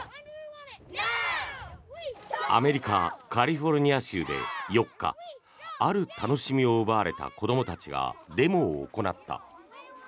アメリカ・カリフォルニア州で４日ある楽しみを奪われた子どもたちがデモを行った。